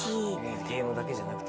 ゲームだけじゃなくて？